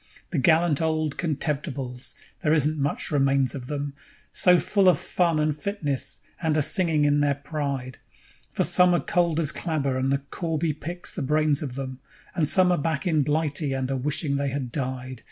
"_ The gallant old "Contemptibles"! There isn't much remains of them, So full of fun and fitness, and a singing in their pride; For some are cold as clabber and the corby picks the brains of them, And some are back in Blighty, and a wishing they had died.